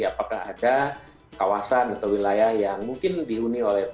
apakah ada kawasan atau wilayah yang mungkin dihuni oleh